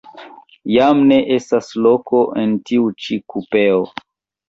Jam ne estas loko en tiu ĉi kupeo.